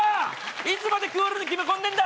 いつまでクールに決め込んでんだ